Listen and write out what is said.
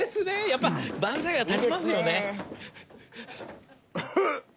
やっぱ万歳は立ちますよね。